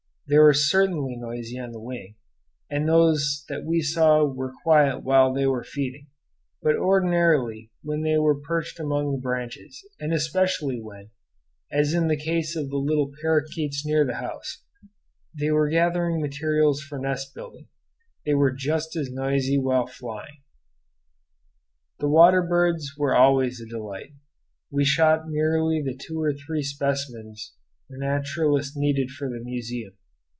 They are certainly noisy on the wing; and those that we saw were quiet while they were feeding; but ordinarily when they were perched among the branches, and especially when, as in the case of the little parakeets near the house, they were gathering materials for nest building, they were just as noisy as while flying. The water birds were always a delight. We shot merely the two or three specimens the naturalists needed for the museum.